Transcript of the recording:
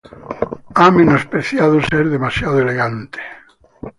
Ha menospreciado ser demasiado elegante.